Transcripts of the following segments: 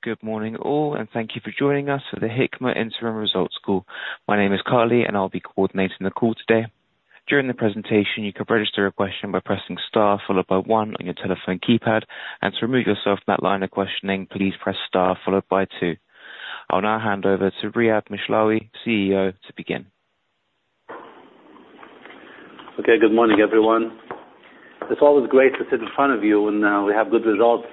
Good morning, all, and thank you for joining us for the Hikma Interim Results Call. My name is Carly, and I'll be coordinating the call today. During the presentation, you can register a question by pressing Star followed by One on your telephone keypad, and to remove yourself from that line of questioning, please press Star followed by Two. I'll now hand over to Riad Mishlawi, CEO, to begin. Okay, good morning, everyone. It's always great to sit in front of you when we have good results.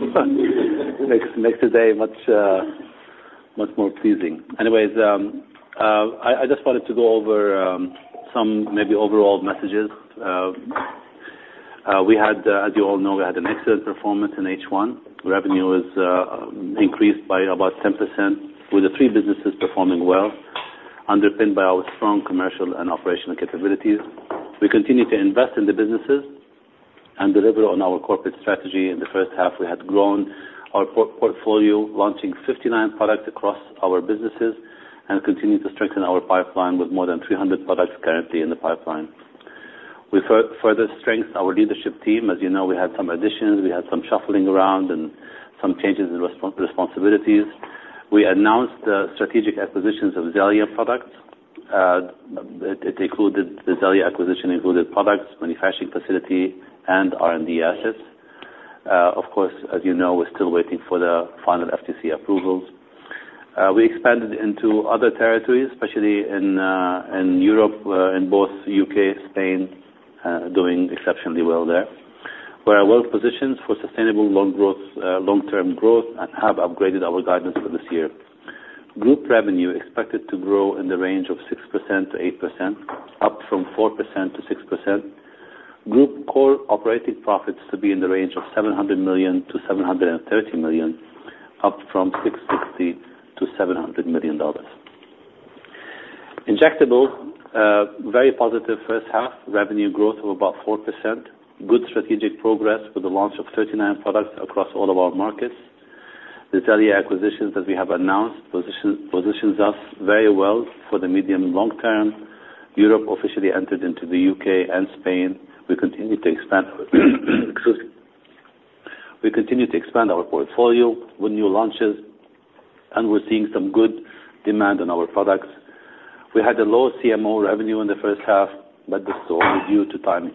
Makes the day much more pleasing. Anyways, I just wanted to go over some maybe overall messages. We had, as you all know, we had an excellent performance in H1. Revenue has increased by about 10%, with the three businesses performing well, underpinned by our strong commercial and operational capabilities. We continue to invest in the businesses and deliver on our corporate strategy. In the first half, we had grown our portfolio, launching 59 products across our businesses and continuing to strengthen our pipeline with more than 300 products currently in the pipeline. We further strengthened our leadership team. As you know, we had some additions. We had some shuffling around and some changes in responsibilities. We announced the strategic acquisitions of Xellia products. The Xellia acquisition included products, manufacturing facility, and R&D assets. Of course, as you know, we're still waiting for the final FTC approvals. We expanded into other territories, especially in Europe, in both the U.K. and Spain, doing exceptionally well there. We're well-positioned for sustainable long-term growth and have upgraded our guidance for this year. Group revenue is expected to grow in the range of 6%-8%, up from 4%-6%. Group core operating profits are to be in the range of $700 million-$730 million, up from $660 million-$700 million. Injectables had a very positive first half revenue growth of about 4%. Good strategic progress with the launch of 39 products across all of our markets. The Xellia acquisitions that we have announced position us very well for the medium and long term. Europe officially entered into the U.K. and Spain. We continue to expand our portfolio with new launches, and we're seeing some good demand on our products. We had a low CMO revenue in the first half, but this is all due to timing.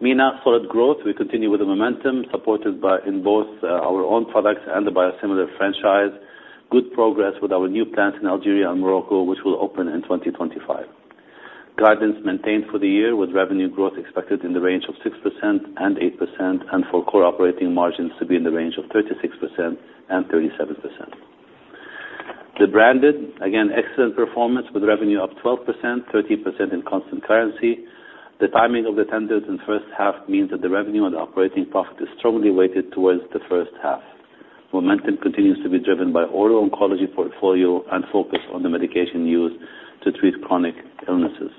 MENA saw growth. We continue with the momentum supported in both our own products and by a biosimilar franchise. Good progress with our new plants in Algeria and Morocco, which will open in 2025. Guidance maintained for the year, with revenue growth expected in the range of 6%-8%, and for core operating margins to be in the range of 36%-37%. The Branded, again, excellent performance with revenue up 12%-13% in constant currency. The timing of the tenders in the first half means that the revenue and operating profit are strongly weighted towards the first half. Momentum continues to be driven by oral oncology portfolio and focus on the medication used to treat chronic illnesses.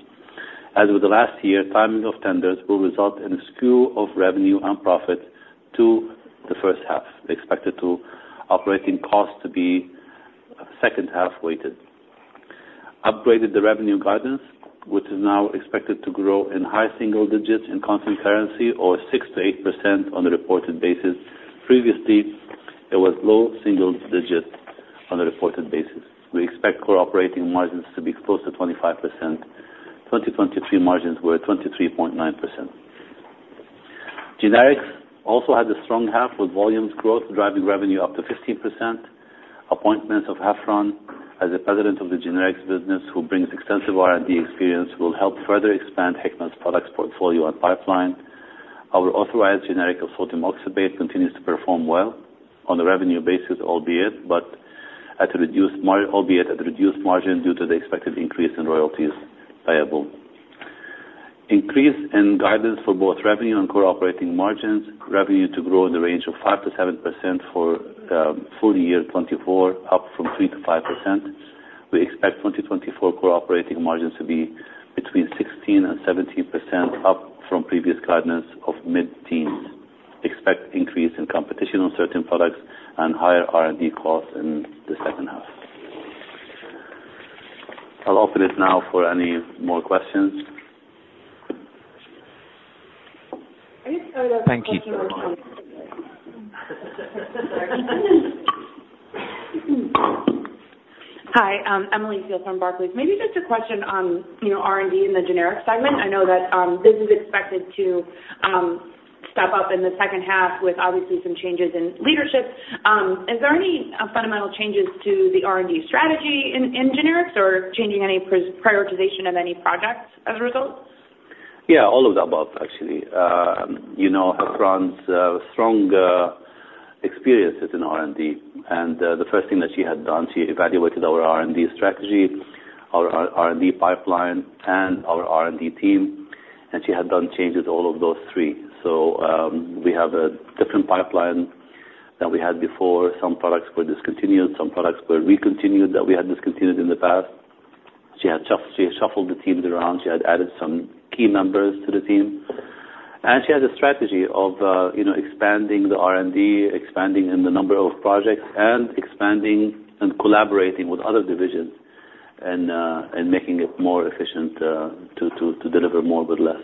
As with the last year, timing of tenders will result in a skew of revenue and profit to the first half. We expect the operating costs to be second half weighted. Upgraded the revenue guidance, which is now expected to grow in high single digits in constant currency or 6%-8% on a reported basis. Previously, it was low single digits on a reported basis. We expect core operating margins to be close to 25%. 2023 margins were 23.9%. Generics also had a strong half with volumes growth driving revenue up to 15%. Appointments of Hafrun as the president of the Generics business, who brings extensive R&D experience, will help further expand Hikma's products portfolio and pipeline. Our authorized generic of sodium oxybate continues to perform well on a revenue basis, albeit at a reduced margin due to the expected increase in royalties payable. Increase in guidance for both revenue and core operating margins. Revenue to grow in the range of 5%-7% for full year 2024, up from 3%-5%. We expect 2024 core operating margins to be between 16% and 17%, up from previous guidance of mid-teens. Expect increase in competition on certain products and higher R&D costs in the second half. I'll open it now for any more questions. Hi, I'm Emily Field from Barclays. Maybe just a question on R&D in the generic segment. I know that this is expected to step up in the second half with obviously some changes in leadership. Is there any fundamental changes to the R&D strategy in generics or changing any prioritization of any projects as a result? Yeah, all of the above, actually. Hafrun's strong experience is in R&D, and the first thing that she had done, she evaluated our R&D strategy, our R&D pipeline, and our R&D team, and she had done changes to all of those three. So we have a different pipeline than we had before. Some products were discontinued. Some products were recontinued that we had discontinued in the past. She had shuffled the teams around. She had added some key members to the team, and she has a strategy of expanding the R&D, expanding in the number of projects, and expanding and collaborating with other divisions and making it more efficient to deliver more with less.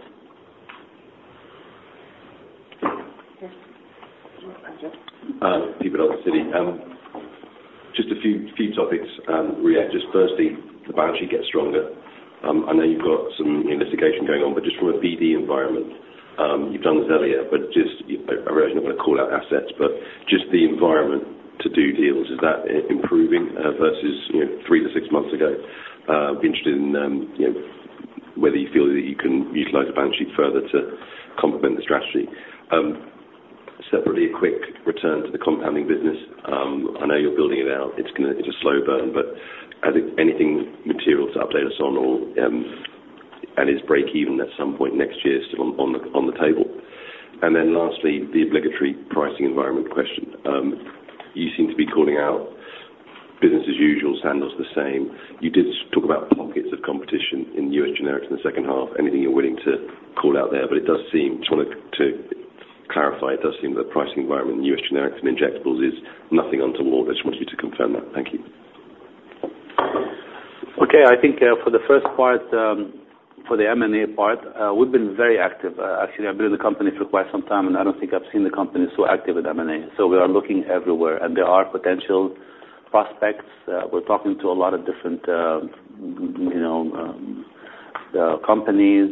Peter Verdult of Citi. Just a few topics, Riad. Just firstly, the MENA gets stronger. I know you've got some investigation going on, but just from a BD environment, you've done this earlier, but just I really don't want to call out assets, but just the environment to do deals, is that improving versus 3-6 months ago? I'd be interested in whether you feel that you can utilize the balance sheet further to complement the strategy. Separately, a quick return to the compounding business. I know you're building it out. It's a slow burn, but anything material to update us on and is break-even at some point next year is still on the table. And then lastly, the obligatory pricing environment question. You seem to be calling out business as usual, standards the same. You did talk about pockets of competition in U.S. generics in the second half. Anything you're willing to call out there? But it does seem, just want to clarify, it does seem that the pricing environment in U.S. generics and injectables is nothing untoward. I just wanted you to confirm that. Thank you. Okay, I think for the first part, for the M&A part, we've been very active. Actually, I've been in the company for quite some time, and I don't think I've seen the company so active with M&A. So we are looking everywhere, and there are potential prospects. We're talking to a lot of different companies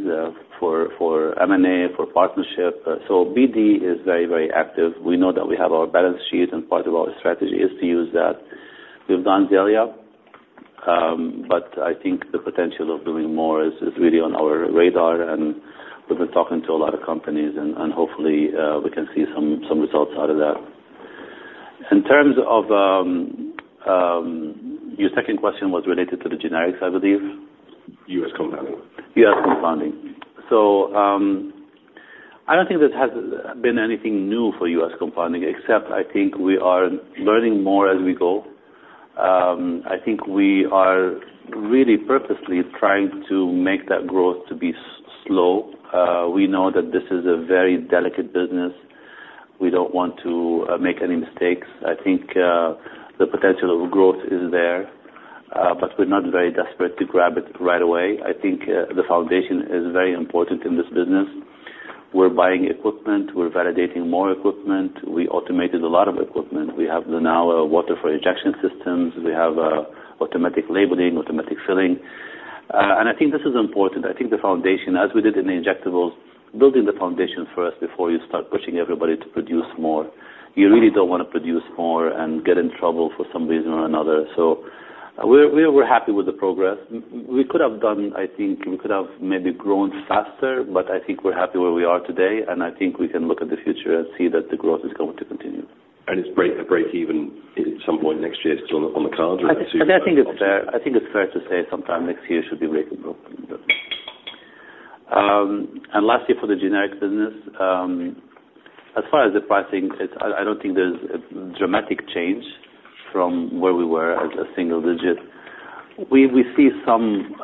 for M&A, for partnership. So BD is very, very active. We know that we have our balance sheet, and part of our strategy is to use that. We've done Xellia, but I think the potential of doing more is really on our radar, and we've been talking to a lot of companies, and hopefully we can see some results out of that. In terms of your second question was related to the generics, I believe. U.S. Compounding. U.S. Compounding. So I don't think this has been anything new for U.S. Compounding, except I think we are learning more as we go. I think we are really purposely trying to make that growth slow. We know that this is a very delicate business. We don't want to make any mistakes. I think the potential of growth is there, but we're not very desperate to grab it right away. I think the foundation is very important in this business. We're buying equipment. We're validating more equipment. We automated a lot of equipment. We have now water for injection systems. We have automatic labeling, automatic filling. And I think this is important. I think the foundation, as we did in the injectables, building the foundation first before you start pushing everybody to produce more. You really don't want to produce more and get in trouble for some reason or another. We're happy with the progress. We could have done, I think we could have maybe grown faster, but I think we're happy where we are today, and I think we can look at the future and see that the growth is going to continue. It's break-even at some point next year still on the cards or next two years? I think it's fair to say sometime next year should be break-even. And lastly, for the generic business, as far as the pricing, I don't think there's a dramatic change from where we were at a single digit. We see some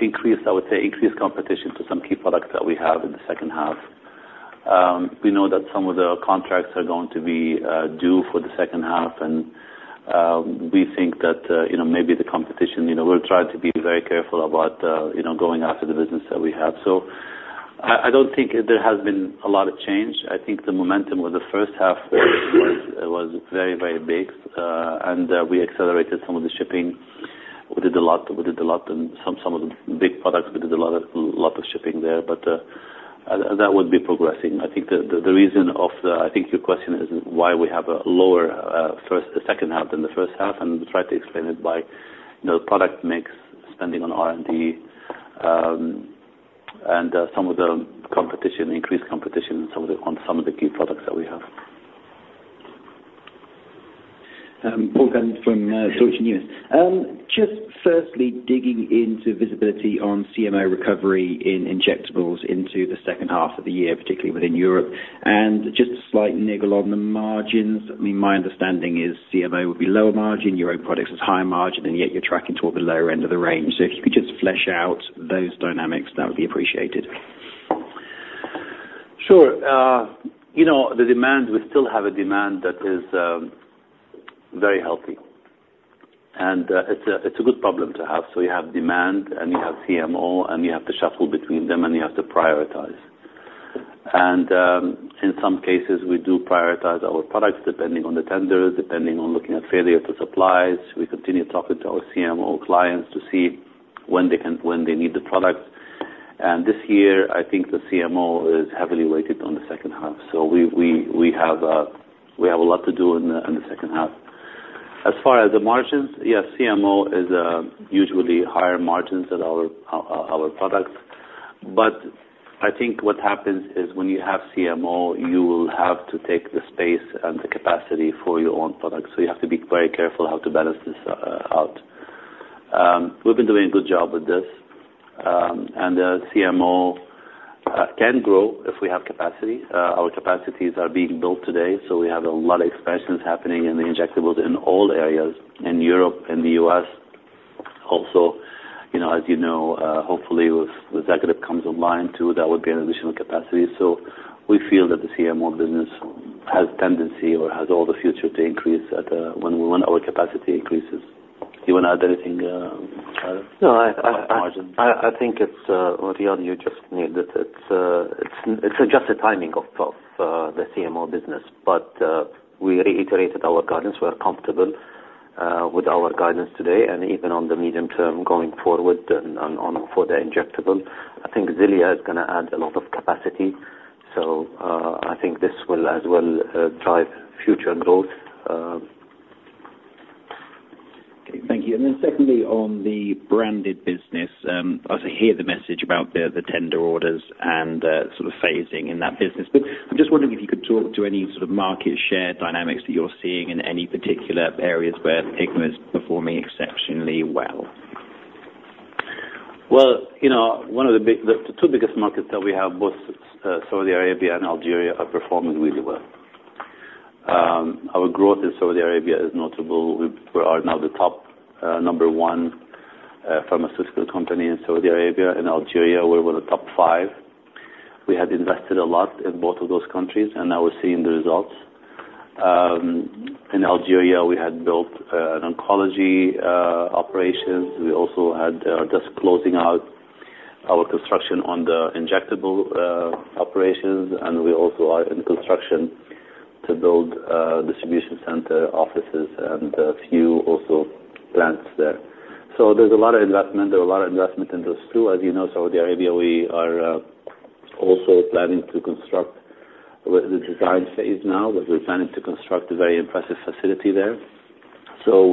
increase, I would say, increased competition for some key products that we have in the second half. We know that some of the contracts are going to be due for the second half, and we think that maybe the competition, we're trying to be very careful about going after the business that we have. So I don't think there has been a lot of change. I think the momentum of the first half was very, very big, and we accelerated some of the shipping. We did a lot in some of the big products. We did a lot of shipping there, but that would be progressing. I think your question is why we have a lower second half than the first half, and we tried to explain it by the product mix, spending on R&D, and some of the competition, increased competition on some of the key products that we have. Paul Cuddon from Deutsche Numis. Just firstly, digging into visibility on CMO recovery in injectables into the second half of the year, particularly within Europe, and just a slight niggle on the margins. I mean, my understanding is CMO would be lower margin, your own products is high margin, and yet you're tracking toward the lower end of the range. So if you could just flesh out those dynamics, that would be appreciated. Sure. The demand, we still have a demand that is very healthy, and it's a good problem to have. So you have demand, and you have CMO, and you have to shuffle between them, and you have to prioritize. And in some cases, we do prioritize our products depending on the tenders, depending on looking at failure to supply. We continue talking to our CMO clients to see when they need the products. And this year, I think the CMO is heavily weighted on the second half. So we have a lot to do in the second half. As far as the margins, yes, CMO is usually higher margins than our products. But I think what happens is when you have CMO, you will have to take the space and the capacity for your own products. So you have to be very careful how to balance this out. We've been doing a good job with this, and CMO can grow if we have capacity. Our capacities are being built today, so we have a lot of expansions happening in the injectables in all areas in Europe and the U.S. Also, as you know, hopefully with Acton comes online too, that would be an additional capacity. So we feel that the CMO business has tendency or has all the future to increase when our capacity increases. Do you want to add anything, Khalid? No, I think it's what you just needed. It's just the timing of the CMO business, but we reiterated our guidance. We're comfortable with our guidance today, and even on the medium term going forward for the injectable. I think Xellia is going to add a lot of capacity, so I think this will as well drive future growth. Thank you. And then secondly, on the Branded business, I hear the message about the tender orders and sort of phasing in that business, but I'm just wondering if you could talk to any sort of market share dynamics that you're seeing in any particular areas where Hikma is performing exceptionally well? Well, one of the two biggest markets that we have, both Saudi Arabia and Algeria, are performing really well. Our growth in Saudi Arabia is notable. We are now the top number one pharmaceutical company in Saudi Arabia. In Algeria, we're in the top five. We had invested a lot in both of those countries, and now we're seeing the results. In Algeria, we had built an oncology operation. We also had just closing out our construction on the injectable operations, and we also are in construction to build distribution center offices and a few also plants there. So there's a lot of investment. There's a lot of investment in those two. As you know, Saudi Arabia, we are also planning to construct the design phase now. We're planning to construct a very impressive facility there. So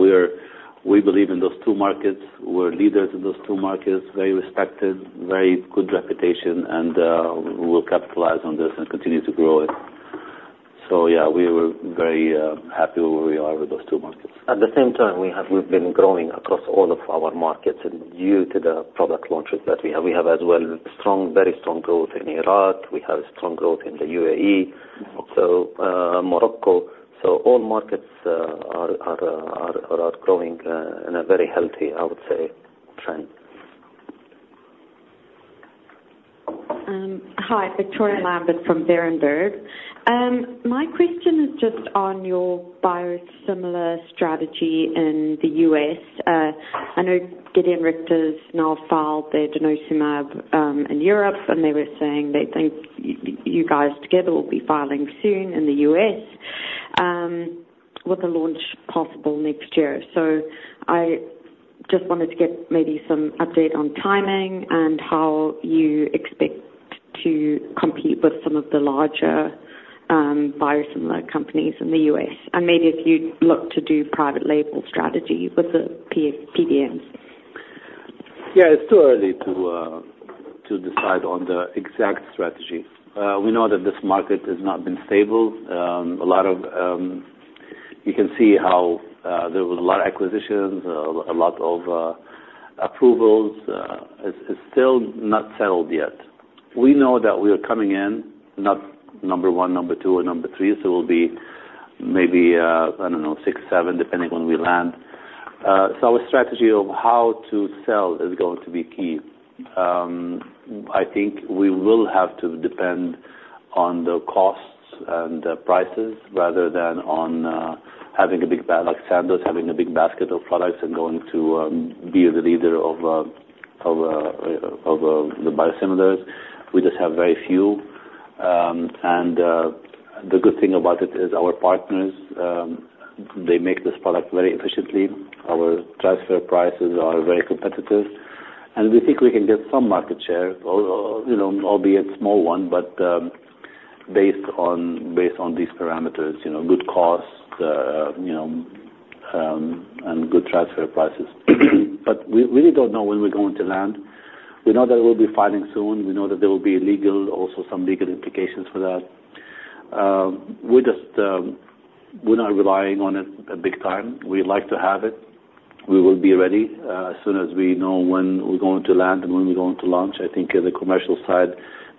we believe in those two markets. We're leaders in those two markets, very respected, very good reputation, and we'll capitalize on this and continue to grow it. So yeah, we were very happy where we are with those two markets. At the same time, we've been growing across all of our markets due to the product launches that we have. We have as well very strong growth in Iraq. We have strong growth in the UAE, so Morocco. So all markets are outgrowing in a very healthy, I would say, trend. Hi, Victoria Lambert from Berenberg. My question is just on your biosimilar strategy in the U.S. I know Gedeon Richter's now filed their denosumab in Europe, and they were saying you guys together will be filing soon in the U.S. with a launch possible next year. So I just wanted to get maybe some update on timing and how you expect to compete with some of the larger biosimilar companies in the U.S., and maybe if you'd look to do private label strategy with the PBMs? Yeah, it's too early to decide on the exact strategy. We know that this market has not been stable. You can see how there were a lot of acquisitions, a lot of approvals. It's still not settled yet. We know that we are coming in, not number 1, number 2, or number 3. So we'll be maybe, I don't know, 6, 7, depending on when we land. So our strategy of how to sell is going to be key. I think we will have to depend on the costs and the prices rather than on having a big bag, like Sandoz, having a big basket of products and going to be the leader of the biosimilars. We just have very few. And the good thing about it is our partners, they make this product very efficiently. Our transfer prices are very competitive, and we think we can get some market share, albeit small one, but based on these parameters: good costs and good transfer prices. But we really don't know when we're going to land. We know that we'll be filing soon. We know that there will be legal, also some legal implications for that. We're not relying on it a big time. We like to have it. We will be ready as soon as we know when we're going to land and when we're going to launch. I think the commercial side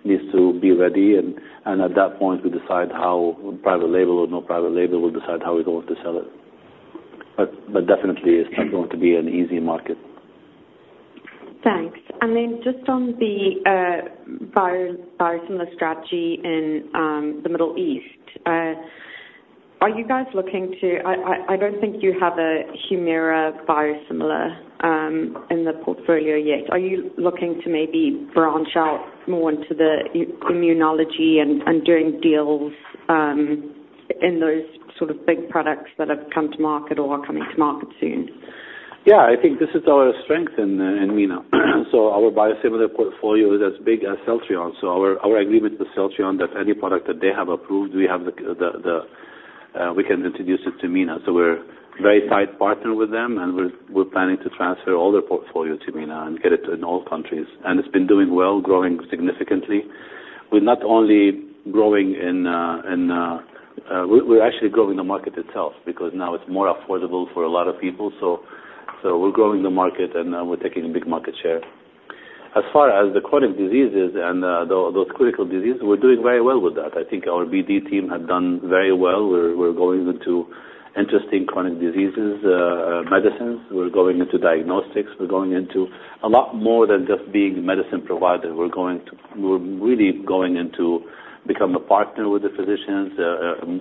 needs to be ready, and at that point, we decide how private label or no private label. We'll decide how we're going to sell it. But definitely, it's not going to be an easy market. Thanks. And then just on the biosimilar strategy in the Middle East, are you guys looking to—I don't think you have a Humira biosimilar in the portfolio yet. Are you looking to maybe branch out more into the immunology and doing deals in those sort of big products that have come to market or are coming to market soon? Yeah, I think this is our strength in MENA. So our biosimilar portfolio is as big as Celltrion. So our agreement with Celltrion is that any product that they have approved, we can introduce it to MENA. So we're a very tight partner with them, and we're planning to transfer all their portfolio to MENA and get it to all countries. And it's been doing well, growing significantly. We're not only growing in—we're actually growing the market itself because now it's more affordable for a lot of people. So we're growing the market, and we're taking a big market share. As far as the chronic diseases and those critical diseases, we're doing very well with that. I think our BD team has done very well. We're going into interesting chronic diseases, medicines. We're going into diagnostics. We're going into a lot more than just being a medicine provider. We're really going into becoming a partner with the physicians,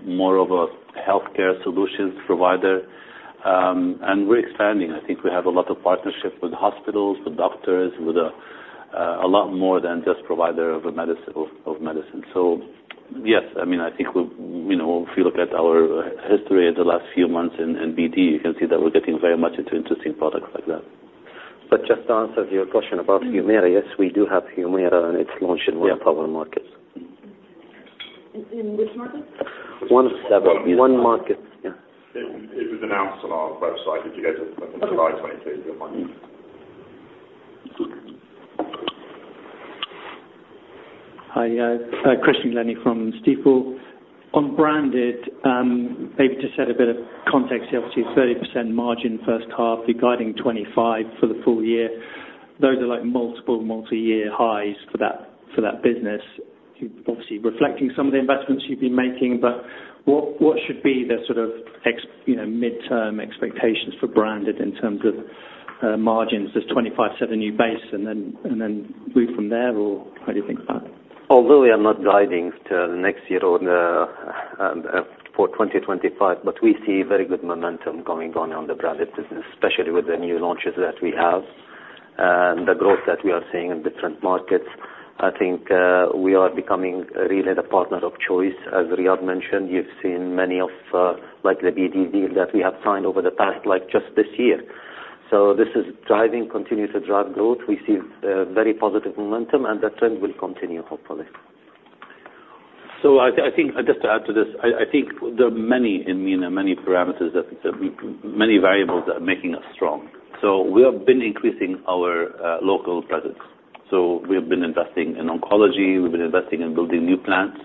more of a healthcare solutions provider. And we're expanding. I think we have a lot of partnerships with hospitals, with doctors, with a lot more than just provider of medicine. So yes, I mean, I think if you look at our history in the last few months in BD, you can see that we're getting very much into interesting products like that. But just to answer your question about Humira, yes, we do have Humira, and it's launched in one of our markets. In which markets? One of several markets. Yeah. It was announced on our website in July 2022. Hi, guys. Christian Glennie from Stifel. On Branded, maybe to set a bit of context, obviously, 30% margin first half, you're guiding 25% for the full year. Those are like multiple, multi-year highs for that business, obviously reflecting some of the investments you've been making. But what should be the sort of midterm expectations for Branded in terms of margins? There's 25, 7 new base, and then move from there, or how do you think about it? Although I'm not guiding to the next year for 2025, but we see very good momentum going on in the Branded business, especially with the new launches that we have and the growth that we are seeing in different markets. I think we are becoming really the partner of choice. As Riad mentioned, you've seen many of the BD deals that we have signed over the past, like just this year. So this is driving, continues to drive growth. We see very positive momentum, and that trend will continue, hopefully. So I think just to add to this, I think there are many in MENA, many parameters, many variables that are making us strong. So we have been increasing our local presence. So we have been investing in oncology. We've been investing in building new plants,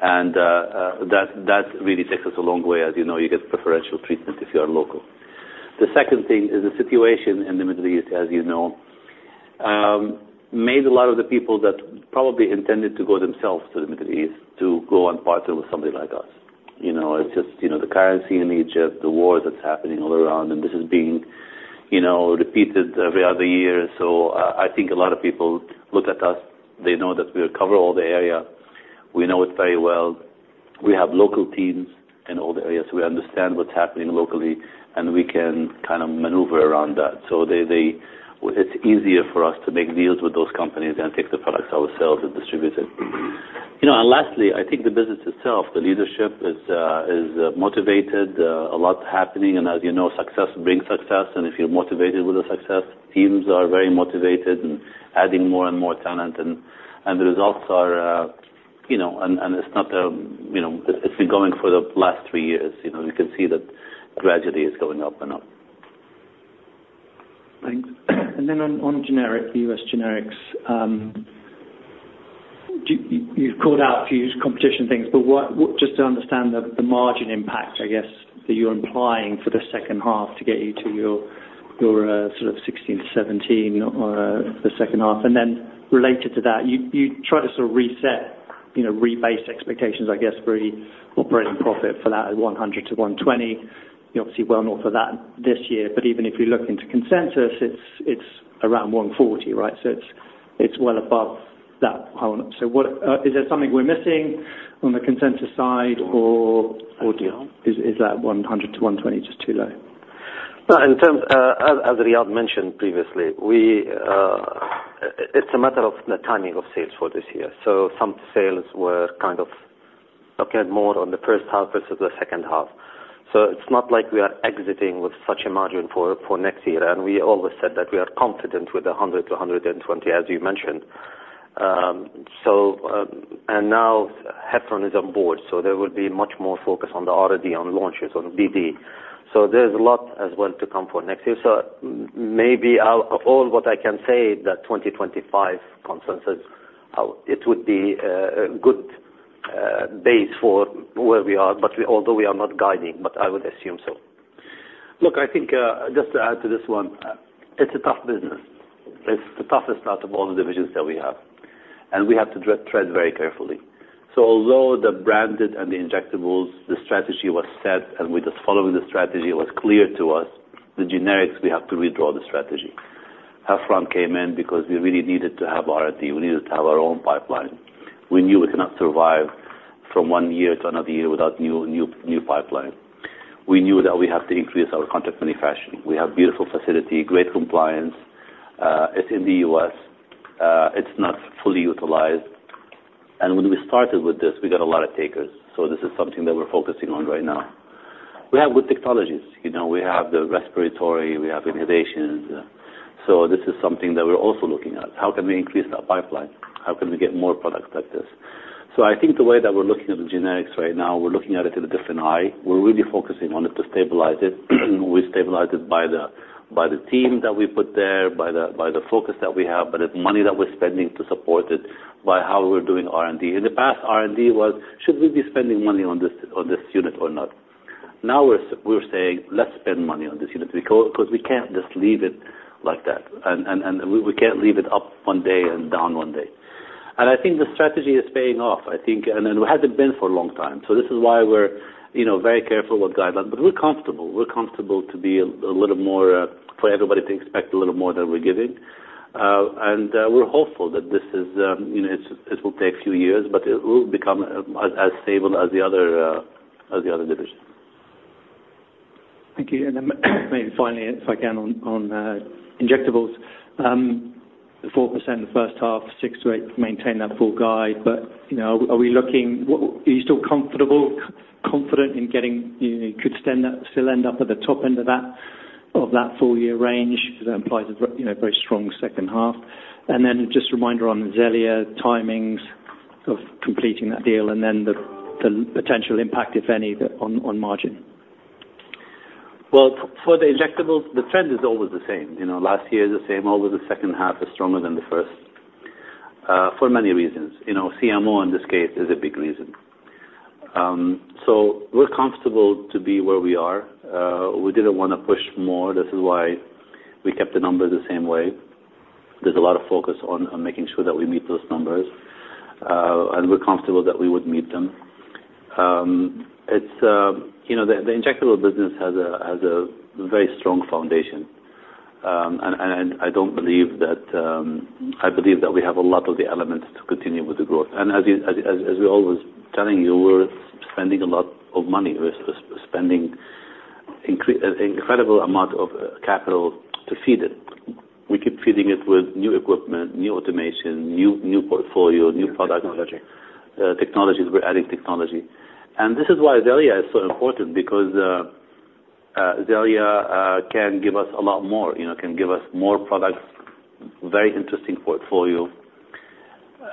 and that really takes us a long way. As you know, you get preferential treatment if you are local. The second thing is the situation in the Middle East, as you know, made a lot of the people that probably intended to go themselves to the Middle East to go and partner with somebody like us. It's just the currency in Egypt, the war that's happening all around, and this is being repeated every other year. So I think a lot of people look at us. They know that we cover all the area. We know it very well. We have local teams in all the areas. We understand what's happening locally, and we can kind of maneuver around that. So it's easier for us to make deals with those companies and take the products ourselves and distribute it. And lastly, I think the business itself, the leadership is motivated, a lot happening. As you know, success brings success, and if you're motivated with the success, teams are very motivated and adding more and more talent. And the results are, and it's been going for the last three years. You can see that gradually it's going up and up. Thanks. And then on generic, the U.S. generics, you've called out a few competition things, but just to understand the margin impact, I guess, that you're implying for the second half to get you to your sort of 16%-17% for the second half. And then related to that, you try to sort of reset, rebase expectations, I guess, for the operating profit for that $100-$120. You obviously well know that for this year, but even if you look into consensus, it's around $140, right? So is there something we're missing on the consensus side, or is that $100-$120 just too low? Well, as Riad mentioned previously, it's a matter of the timing of sales for this year. So some sales were kind of looking at more on the first half versus the second half. So it's not like we are exiting with such a margin for next year. And we always said that we are confident with the $100-$120, as you mentioned. And now Hafrun is on board, so there will be much more focus on the R&D, on launches, on BD. So there's a lot as well to come for next year. So maybe all what I can say, that 2025 consensus, it would be a good base for where we are, although we are not guiding, but I would assume so. Look, I think just to add to this one, it's a tough business. It's the toughest out of all the divisions that we have, and we have to tread very carefully. So although the Branded and the injectables, the strategy was set, and we just followed the strategy, it was clear to us, the generics, we have to redraw the strategy. Hafrun came in because we really needed to have R&D. We needed to have our own pipeline. We knew we cannot survive from one year to another year without new pipeline. We knew that we have to increase our contract manufacturing. We have a beautiful facility, great compliance. It's in the U.S. It's not fully utilized. And when we started with this, we got a lot of takers. So this is something that we're focusing on right now. We have good technologies. We have the respiratory. We have inhalations. So this is something that we're also looking at. How can we increase that pipeline? How can we get more products like this? So I think the way that we're looking at the generics right now, we're looking at it in a different eye. We're really focusing on it to stabilize it. We stabilize it by the team that we put there, by the focus that we have, by the money that we're spending to support it, by how we're doing R&D. In the past, R&D was, "Should we be spending money on this unit or not?" Now we're saying, "Let's spend money on this unit because we can't just leave it like that. And we can't leave it up one day and down one day." And I think the strategy is paying off. I think, and it hasn't been for a long time. So this is why we're very careful with guidelines, but we're comfortable. We're comfortable to be a little more for everybody to expect a little more than we're giving. And we're hopeful that it will take a few years, but it will become as stable as the other division. Thank you. And then maybe finally, if I can, on injectables, 4% the first half, 6%-8%, maintain that full guide. But are we looking, are you still comfortable, confident in getting, could still end up at the top end of that full-year range because that implies a very strong second half? And then just a reminder on Xellia timings of completing that deal and then the potential impact, if any, on margin. Well, for the injectables, the trend is always the same. Last year is the same. Always the second half is stronger than the first for many reasons. CMO, in this case, is a big reason. So we're comfortable to be where we are. We didn't want to push more. This is why we kept the numbers the same way. There's a lot of focus on making sure that we meet those numbers, and we're comfortable that we would meet them. The injectable business has a very strong foundation. And I don't believe that. I believe that we have a lot of the elements to continue with the growth. And as we're always telling you, we're spending a lot of money. We're spending an incredible amount of capital to feed it. We keep feeding it with new equipment, new automation, new portfolio, new product technologies. We're adding technology. And this is why Xellia is so important because Xellia can give us a lot more, can give us more products, very interesting portfolio.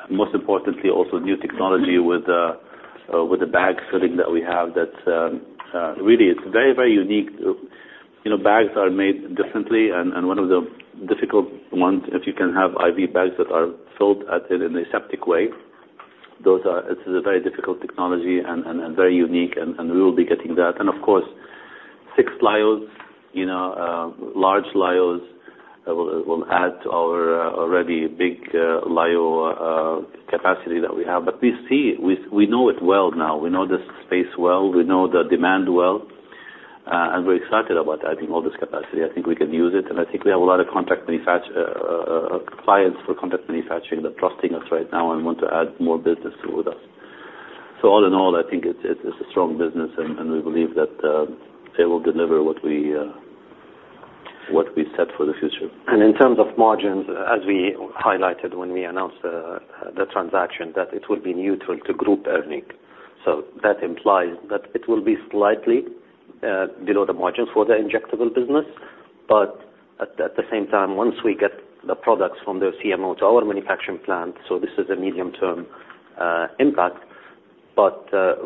Most importantly, also new technology with the bag filling that we have that really is very, very unique. Bags are made differently, and one of the difficult ones, if you can have IV bags that are filled aseptic way, it's a very difficult technology and very unique, and we will be getting that. And of course, six lyos, large lyos will add to our already big lyo capacity that we have. But we see it. We know it well now. We know this space well. We know the demand well, and we're excited about adding all this capacity. I think we can use it. I think we have a lot of clients for contract manufacturing that are trusting us right now and want to add more business with us. All in all, I think it's a strong business, and we believe that it will deliver what we set for the future. In terms of margins, as we highlighted when we announced the transaction, that it will be neutral to group earnings. That implies that it will be slightly below the margins for the injectable business. At the same time, once we get the products from the CMO to our manufacturing plant, so this is a medium-term impact.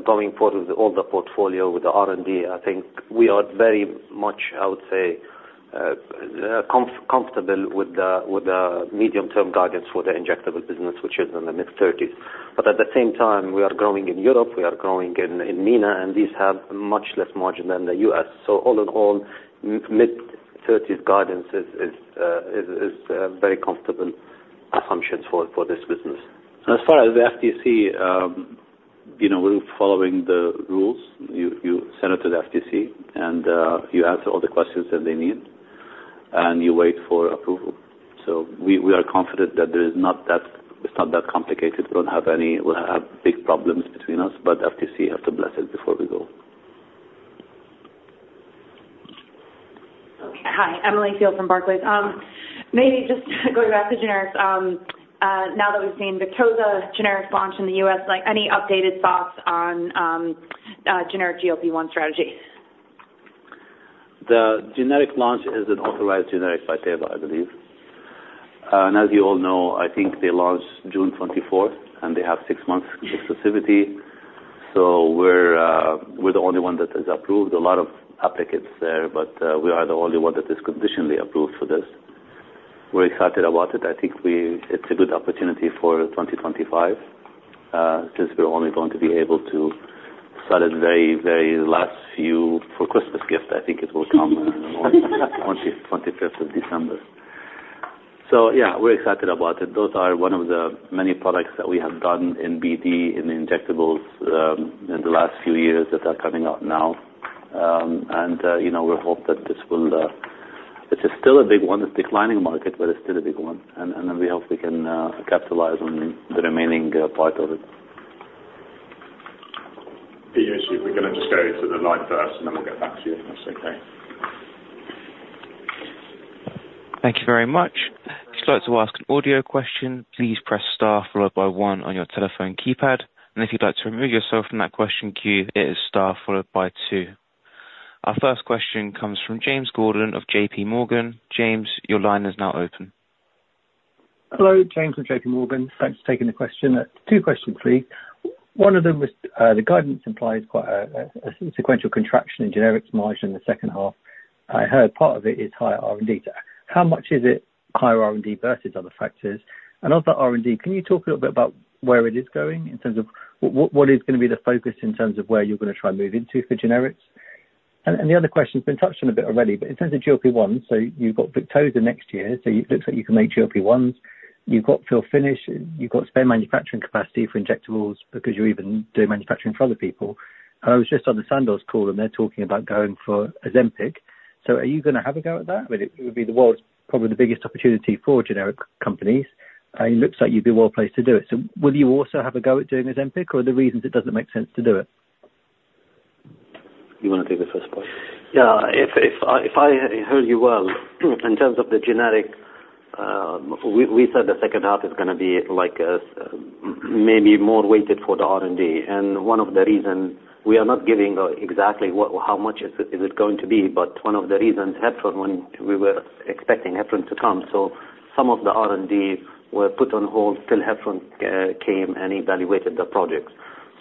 Going forward with all the portfolio, with the R&D, I think we are very much, I would say, comfortable with the medium-term guidance for the injectable business, which is in the mid-30s But at the same time, we are growing in Europe. We are growing in MENA, and these have much less margin than the U.S. So all in all, mid-30s guidance is a very comfortable assumption for this business. As far as the FTC, we're following the rules. You send it to the FTC, and you answer all the questions that they need, and you wait for approval. So we are confident that it's not that complicated. We don't have any big problems between us, but FTC has to bless it before we go. Hi, Emily Field from Barclays. Maybe just going back to generics, now that we've seen Victoza generics launch in the U.S., any updated thoughts on generic GLP-1 strategy? The generic launch is an authorized generic by Teva, I believe. As you all know, I think they launched June 24th, and they have six months of exclusivity. So we're the only one that is approved. A lot of applicants there, but we are the only one that is conditionally approved for this. We're excited about it. I think it's a good opportunity for 2025 since we're only going to be able to sell it very, very last few for Christmas gift. I think it will come on the 25th of December. So yeah, we're excited about it. Those are one of the many products that we have done in BD, in the injectables in the last few years that are coming out now. And we hope that this will. It's still a big one. It's declining market, but it's still a big one. And then we hope we can capitalize on the remaining part of it. If you want to just go to the line first, and then we'll get back to you if that's okay. Thank you very much. If you'd like to ask an audio question, please press star followed by one on your telephone keypad. And if you'd like to remove yourself from that question queue, it is star followed by two. Our first question comes from James Gordon of JP Morgan. James, your line is now open. Hello, James from JP Morgan. Thanks for taking the question. Two questions, please. One of them was the guidance implies quite a sequential contraction in generics margin in the second half. I heard part of it is higher R&D. How much is it higher R&D versus other factors? And other R&D, can you talk a little bit about where it is going in terms of what is going to be the focus in terms of where you're going to try to move into for generics? The other question has been touched on a bit already, but in terms of GLP-1, so you've got Victoza next year. So it looks like you can make GLP-1s. You've got fill finish. You've got spare manufacturing capacity for injectables because you're even doing manufacturing for other people. And I was just on the Sandoz call, and they're talking about going for Ozempic. So are you going to have a go at that? It would be the world's probably the biggest opportunity for generic companies. It looks like you'd be well placed to do it. So will you also have a go at doing Ozempic, or are there reasons it doesn't make sense to do it? You want to take the first point? Yeah. If I heard you well, in terms of the generic, we said the second half is going to be maybe more weighted for the R&D. And one of the reasons we are not giving exactly how much is it going to be, but one of the reasons Hafrun, when we were expecting Hafrun to come, so some of the R&D were put on hold till Hafrun came and evaluated the projects.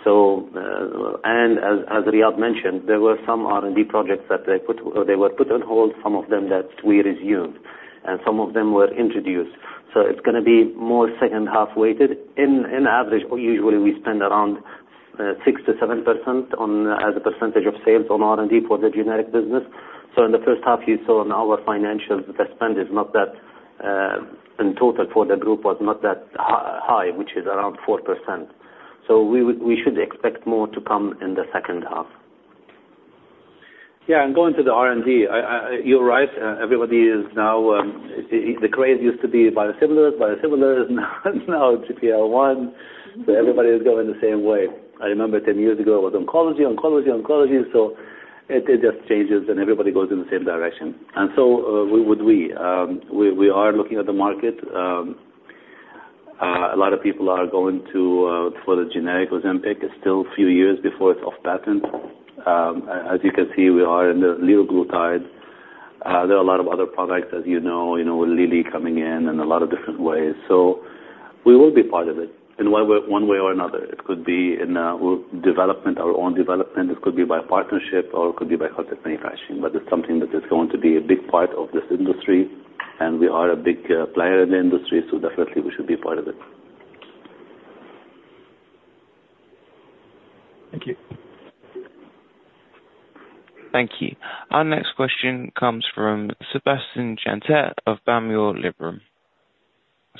And as Riad mentioned, there were some R&D projects that they were put on hold, some of them that we resumed, and some of them were introduced. So it's going to be more second half weighted. In average, usually we spend around 6%-7% as a percentage of sales on R&D for the generic business. So in the first half, you saw in our financials that spend is not that high, in total for the group was not that high, which is around 4%. So we should expect more to come in the second half. Yeah, and going to the R&D, you're right. Everybody is now the craze used to be biosimilars. Biosimilars is now GLP-1. So everybody is going the same way. I remember 10 years ago, it was oncology, oncology, oncology. So it just changes, and everybody goes in the same direction. And so would we. We are looking at the market. A lot of people are going for the generic Ozempic. It's still a few years before it's off patent. As you can see, we are in the little blue tide. There are a lot of other products, as you know, with Lilly coming in and a lot of different ways. So we will be part of it in one way or another. It could be in our own development. It could be by partnership, or it could be by contract manufacturing. But it's something that is going to be a big part of this industry, and we are a big player in the industry. So definitely, we should be part of it. Thank you. Thank you. Our next question comes from Sebastian Jantet of Panmure Liberum.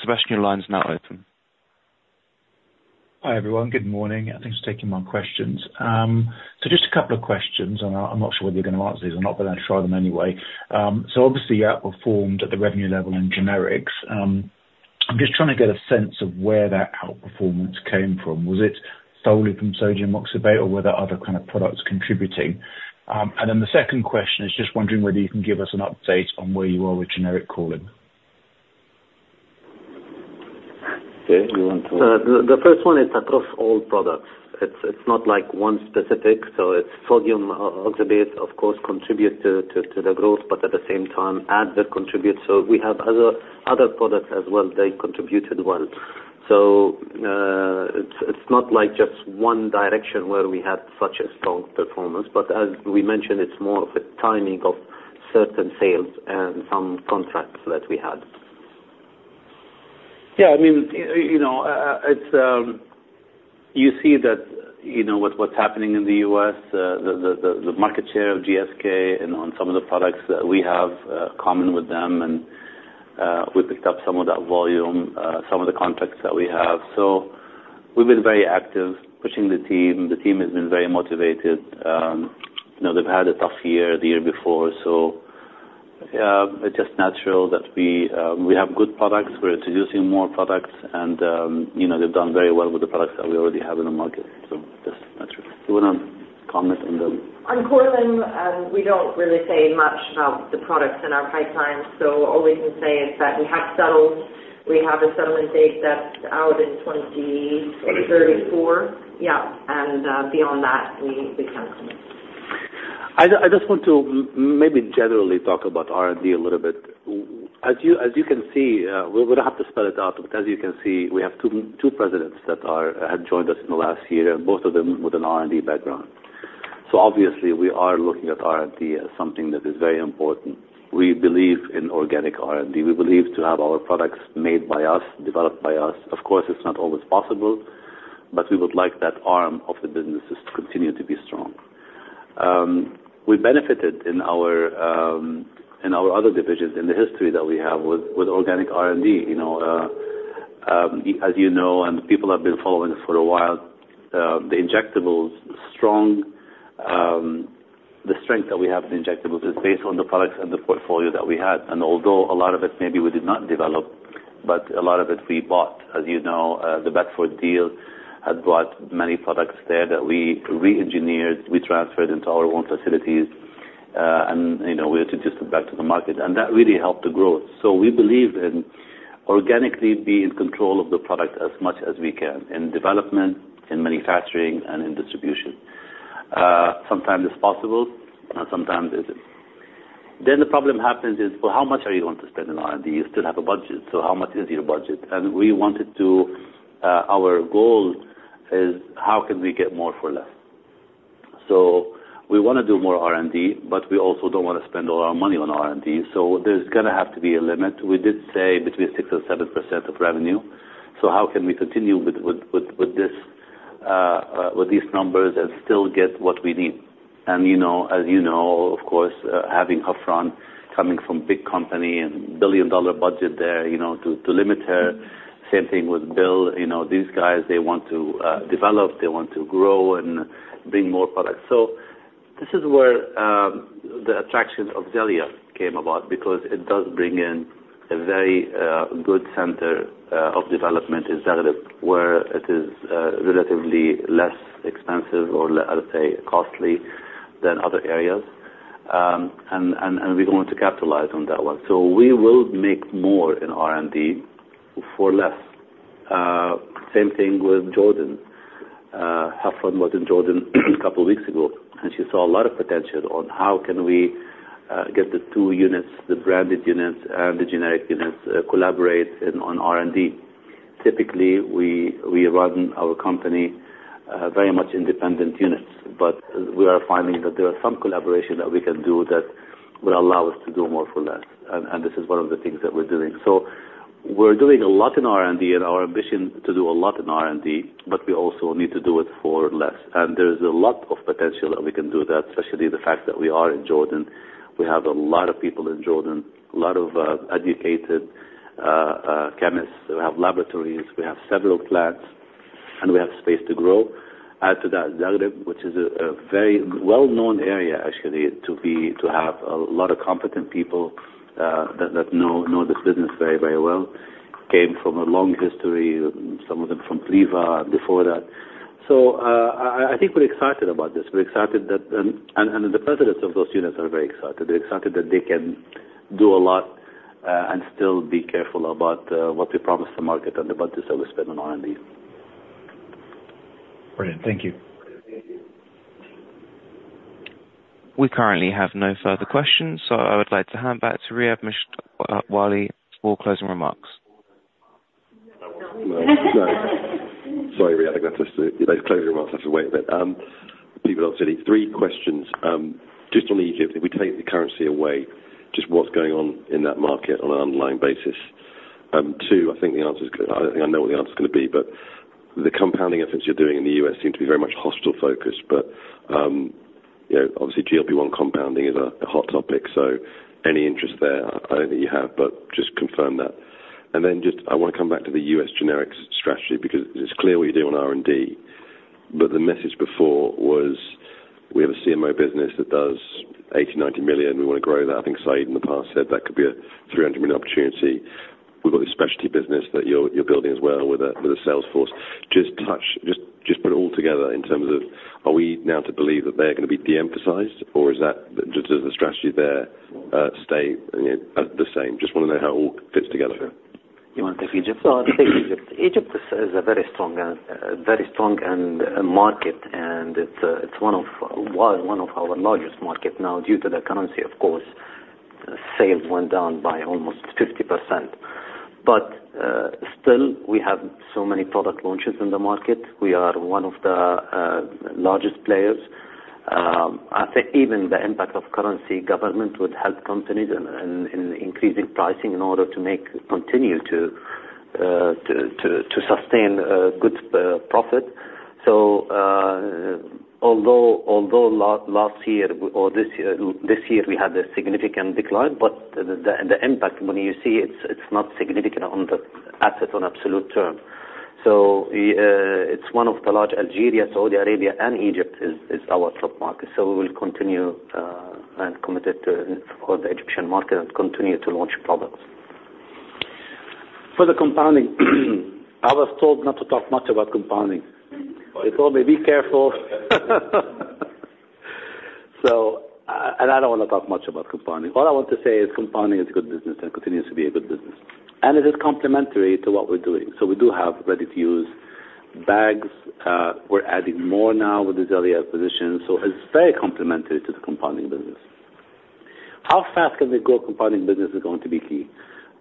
Sebastian, your line is now open. Hi everyone. Good morning. Thanks for taking my questions. So just a couple of questions, and I'm not sure whether you're going to answer these or not, but I'll try them anyway. So obviously, you outperformed at the revenue level in generics. I'm just trying to get a sense of where that outperformance came from. Was it solely from sodium oxybate, or were there other kinds of products contributing? And then the second question is just wondering whether you can give us an update on where you are with generic Ozempic. Okay. You want to? The first one is across all products. It's not like one specific. So it's sodium oxybate, of course, contributes to the growth, but at the same time, others that contribute. So we have other products as well. They contributed well. So it's not like just one direction where we had such a strong performance. But as we mentioned, it's more of a timing of certain sales and some contracts that we had. Yeah. I mean, you see that with what's happening in the U.S., the market share of GSK and on some of the products that we have common with them, and we picked up some of that volume, some of the contracts that we have. So we've been very active pushing the team. The team has been very motivated. They've had a tough year the year before. So it's just natural that we have good products. We're introducing more products, and they've done very well with the products that we already have in the market. So just natural. Do you want to comment on them? On quarterly, we don't really say much about the products in our pipeline. So all we can say is that we have settled. We have a settlement date that's out in 2034. Yeah. And beyond that, we can't comment. I just want to maybe generally talk about R&D a little bit. As you can see, we don't have to spell it out, but as you can see, we have two presidents that have joined us in the last year, and both of them with an R&D background. So obviously, we are looking at R&D as something that is very important. We believe in organic R&D. We believe to have our products made by us, developed by us. Of course, it's not always possible, but we would like that arm of the businesses to continue to be strong. We benefited in our other divisions in the history that we have with organic R&D. As you know, and people have been following us for a while, the injectables are strong. The strength that we have in injectables is based on the products and the portfolio that we had. And although a lot of it maybe we did not develop, but a lot of it we bought. As you know, the Bedford deal had brought many products there that we re-engineered. We transferred into our own facilities, and we introduced it back to the market. And that really helped the growth. So we believe in organically being in control of the product as much as we can in development, in manufacturing, and in distribution. Sometimes it's possible, and sometimes it isn't. Then the problem happens is, well, how much are you going to spend in R&D? You still have a budget. So how much is your budget? And we wanted to, our goal is how can we get more for less? So we want to do more R&D, but we also don't want to spend all our money on R&D. So there's going to have to be a limit. We did say between 6%-7% of revenue. So how can we continue with these numbers and still get what we need? And as you know, of course, having Hafrun coming from a big company and a billion-dollar budget there to limit her, same thing with Bill. These guys, they want to develop. They want to grow and bring more products. So this is where the attraction of Xellia came about because it does bring in a very good center of development in Xellia, where it is relatively less expensive or, I would say, costly than other areas. And we're going to capitalize on that one. So we will make more in R&D for less. Same thing with Jordan. Hafrun was in Jordan a couple of weeks ago, and she saw a lot of potential on how can we get the two units, the Branded units and the generic units, collaborate on R&D. Typically, we run our company very much independent units, but we are finding that there are some collaborations that we can do that will allow us to do more for less. This is one of the things that we're doing. We're doing a lot in R&D, and our ambition is to do a lot in R&D, but we also need to do it for less. There is a lot of potential that we can do that, especially the fact that we are in Jordan. We have a lot of people in Jordan, a lot of educated chemists. We have laboratories. We have several plants, and we have space to grow. Add to that Xellia, which is a very well-known area, actually, to have a lot of competent people that know this business very, very well. Came from a long history, some of them from Pliva before that. So I think we're excited about this. We're excited that—and the presidents of those units are very excited. They're excited that they can do a lot and still be careful about what we promise the market and the budgets that we spend on R&D. Brilliant. Thank you. We currently have no further questions, so I would like to hand back to Riad Mishlawi for closing remarks. Sorry, Riad. I think those closing remarks have to wait a bit. People obviously need three questions. Just on the easiest, if we take the currency away, just what's going on in that market on an underlying basis? Two, I think the answer is—I don't think I know what the answer is going to be, but the compounding efforts you're doing in the U.S. seem to be very much hospital-focused. But obviously, GLP-1 compounding is a hot topic. So any interest there? I don't think you have, but just confirm that. And then just I want to come back to the U.S. generics strategy because it's clear what you're doing on R&D. But the message before was we have a CMO business that does $80-$90 million. We want to grow that. I think Said in the past said that could be a $300 million opportunity. We've got this specialty business that you're building as well with a sales force. Just put it all together in terms of are we now to believe that they're going to be de-emphasized, or is the strategy there stay the same? Just want to know how it all fits together. You want to take Egypt? So I'll take Egypt. Egypt is a very strong market, and it's one of our largest markets now due to the currency, of course. Sales went down by almost 50%. But still, we have so many product launches in the market. We are one of the largest players. I think even the impact of currency government would help companies in increasing pricing in order to continue to sustain good profit. So although last year or this year we had a significant decline, but the impact when you see it's not significant on the asset on absolute term. So it's one of the large Algeria, Saudi Arabia, and Egypt is our top market. So we will continue and commit to the Egyptian market and continue to launch products. For the compounding, I was told not to talk much about compounding. They told me, "Be careful." I don't want to talk much about compounding. All I want to say is compounding is a good business and continues to be a good business. It is complementary to what we're doing. We do have ready-to-use bags. We're adding more now with the Xellia acquisition. It's very complementary to the compounding business. How fast can we grow compounding business is going to be key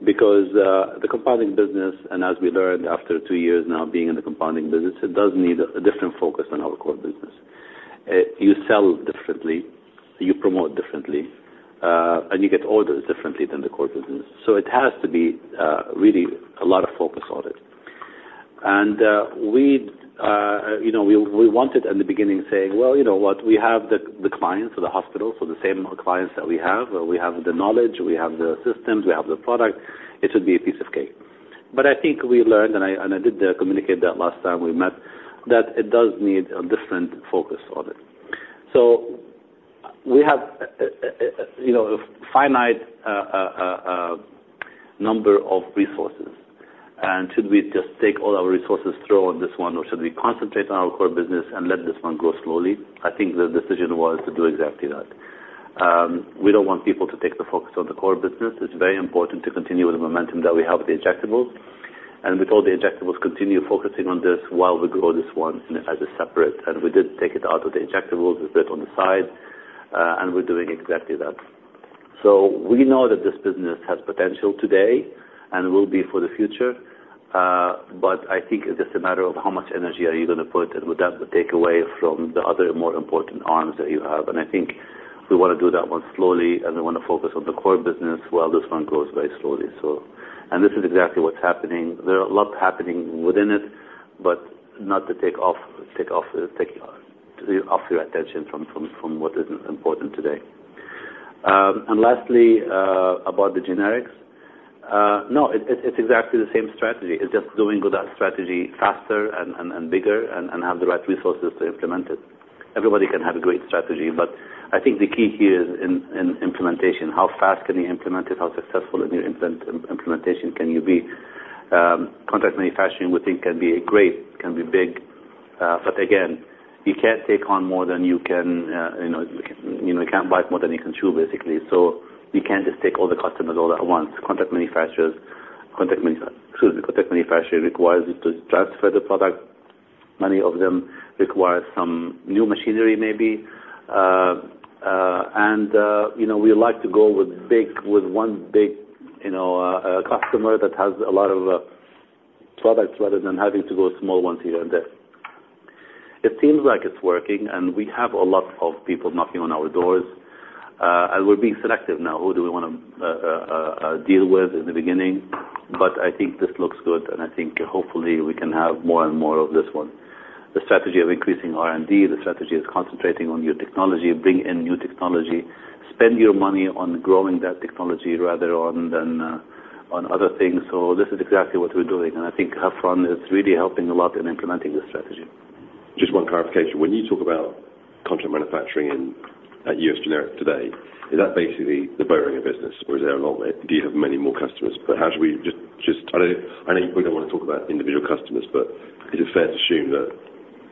because the compounding business, and as we learned after two years now being in the compounding business, it does need a different focus on our core business. You sell differently. You promote differently, and you get orders differently than the core business. It has to be really a lot of focus on it. We wanted in the beginning saying, "Well, you know what? We have the clients for the hospitals, so the same clients that we have. We have the knowledge. We have the systems. We have the product. It should be a piece of cake." But I think we learned, and I did communicate that last time we met, that it does need a different focus on it. So we have a finite number of resources. Should we just take all our resources throw on this one, or should we concentrate on our core business and let this one grow slowly? I think the decision was to do exactly that. We don't want people to take the focus on the core business. It's very important to continue with the momentum that we have with the injectables. We told the injectables continue focusing on this while we grow this one as a separate. We did take it out of the injectables. We put it on the side, and we're doing exactly that. So we know that this business has potential today and will be for the future. But I think it's just a matter of how much energy are you going to put, and would that take away from the other more important arms that you have? I think we want to do that one slowly, and we want to focus on the core business while this one grows very slowly. This is exactly what's happening. There are a lot happening within it, but not to take off your attention from what is important today. Lastly, about the generics. No, it's exactly the same strategy. It's just going with that strategy faster and bigger and have the right resources to implement it. Everybody can have a great strategy, but I think the key here is in implementation. How fast can you implement it? How successful in your implementation can you be? Contract manufacturing, we think, can be great, can be big. But again, you can't take on more than you can. You can't buy it more than you can chew, basically. So you can't just take all the customers all at once. Contract manufacturers, excuse me, contract manufacturing requires you to transfer the product. Many of them require some new machinery, maybe. And we like to go with one big customer that has a lot of products rather than having to go small ones here and there. It seems like it's working, and we have a lot of people knocking on our doors. We're being selective now. Who do we want to deal with in the beginning? But I think this looks good, and I think hopefully we can have more and more of this one. The strategy of increasing R&D, the strategy is concentrating on new technology, bring in new technology, spend your money on growing that technology rather than on other things. So this is exactly what we're doing. And I think Hafrun is really helping a lot in implementing this strategy. Just one clarification. When you talk about contract manufacturing in U.S. generics today, is that basically the bulk of business, or is there a lot? Do you have many more customers? But how do we just—I know you probably don't want to talk about individual customers, but is it fair to assume that?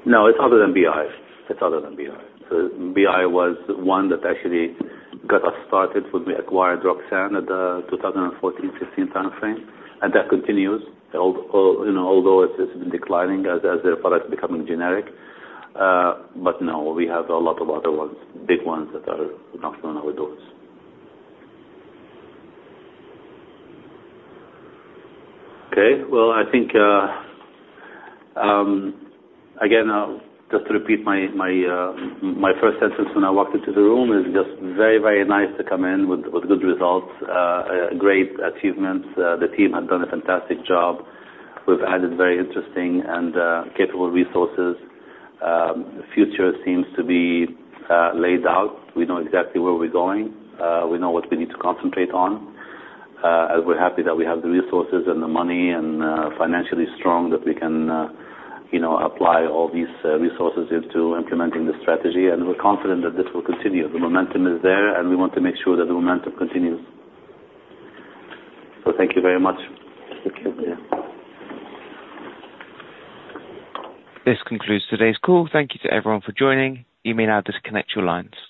No, it's other than BI. It's other than BI. So BI was one that actually got us started when we acquired Roxane at the 2014-15 timeframe. And that continues, although it's been declining as their product is becoming generic. But no, we have a lot of other ones, big ones that are knocking on our doors. Okay. Well, I think, again, just to repeat my first sentence when I walked into the room, it's just very, very nice to come in with good results, great achievements. The team has done a fantastic job. We've added very interesting and capable resources. The future seems to be laid out. We know exactly where we're going. We know what we need to concentrate on. And we're happy that we have the resources and the money and financially strong that we can apply all these resources into implementing the strategy. We're confident that this will continue. The momentum is there, and we want to make sure that the momentum continues. Thank you very much. This concludes today's call. Thank you t everyone for joining. You may now disconnect your lines.